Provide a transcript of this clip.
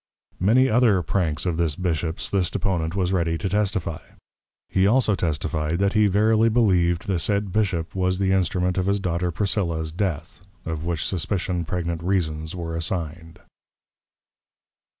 Many other Pranks of this Bishop's this Deponent was ready to testify. He also testify'd, That he verily believ'd, the said Bishop was the Instrument of his Daughter Priscilla's Death; of which suspicion, pregnant Reasons were assigned.